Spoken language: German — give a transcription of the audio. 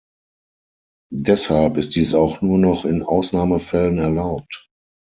Deshalb ist dies auch nur noch in Ausnahmefällen erlaubt.